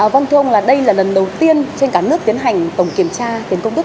văn thông đây là lần đầu tiên trên cả nước tiến hành tổng kiểm tra tiền công đức